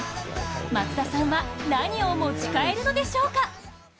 松田さんは何を持ち帰るのでしょうか？